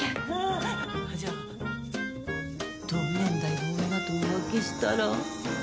じゃあ、同年代の女と浮気したら？